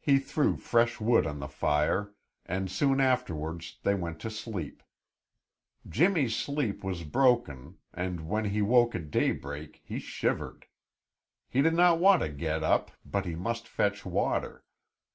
He threw fresh wood on the fire, and soon afterwards they went to sleep. Jimmy's sleep was broken, and when he woke at daybreak he shivered. He did not want to get up, but he must fetch water.